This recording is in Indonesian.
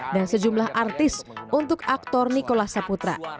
dan sejumlah artis untuk aktor nikola saputra